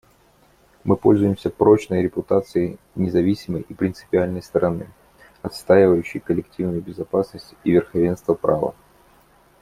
Мы пользуемся прочной репутацией независимой и принципиальной стороны, отстаивающей коллективную безопасность и верховенство права.